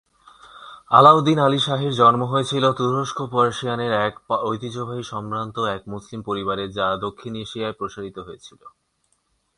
আলাউদ্দীন আলী শাহের জন্ম হয়েছিল তুরস্ক-পার্সিয়ানের এক ঐতিহ্যবাহী সম্ভ্রান্ত এক মুসলিম পরিবারে যা দক্ষিণ এশিয়ায় প্রসারিত হয়েছিল।